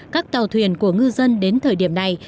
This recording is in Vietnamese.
các tàu thuyền của ngư dân đến thời điểm này